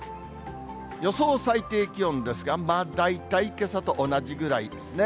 予想最低気温ですが、大体けさと同じぐらいですね。